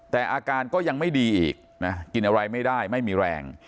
แต่อาการก็ยังไม่ดีอีกนะกินอะไรไม่ได้ไม่มีแรง